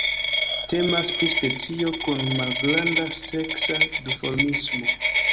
Temas pri specio kun malgranda seksa duformismo.